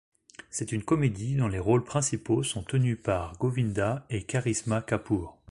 C'est une comédie dont les rôles principaux sont tenus par Govinda et Karisma Kapoor.